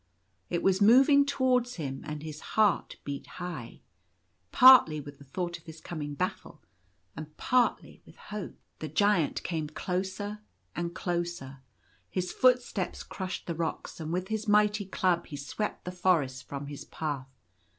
It was moving towards him, and his heart beat high, partly with the thought of his coming battle, and partly with hope. The Giant came closer and closer. His footsteps crushed the rocks, and with his mighty club he swept the forests from his path.